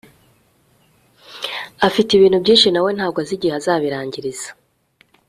afite ibintu byinshi nawe ntago azi igihe azabirangiriza